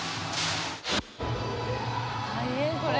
大変これ。